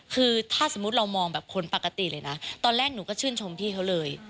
คือถ้าสมมุติเรามองแบบคนปกติเลยนะตอนแรกหนูก็ชื่นชมพี่เขาเลย